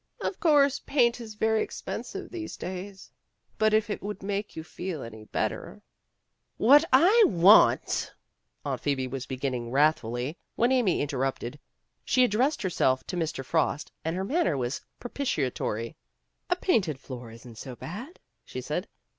"Of course paint is very ex pensive these days, but if it would make you feel any better "'' What I want, '' Aunt Phoebe was beginning wrathfully, when Amy interrupted. She ad dressed herself to Mr. Frost, and her manner was propitiatory. "A painted floor isn't so bad," she said.